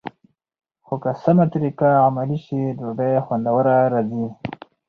خو که سمه طریقه عملي شي، ډوډۍ خوندوره راځي.